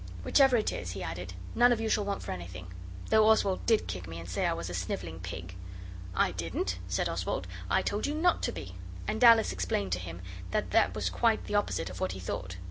'Whichever it is,' he added, 'none of you shall want for anything, though Oswald did kick me, and say I was a snivelling pig.' 'I didn't,' said Oswald, 'I told you not to be.' And Alice explained to him that that was quite the opposite of what he thought.